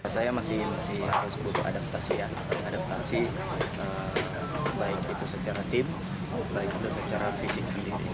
saya masih harus beradaptasi baik itu secara tim baik itu secara fisik sendiri